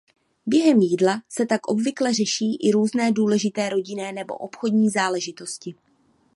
Během jídla se tak obvykle řeší i různé důležité rodinné nebo obchodní záležitosti.